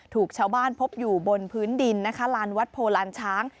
ถูกชาวบ้านพบอยู่บนพื้นดินลานวทภลานช้าง